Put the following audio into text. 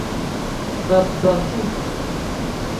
Babaku.